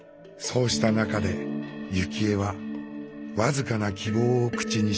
そうした中で幸恵は僅かな希望を口にします。